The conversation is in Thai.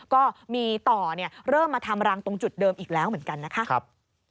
ก็มีต่อเริ่มมาทำรังตรงจุดเดิมอีกแล้วเหมือนกันนะคะ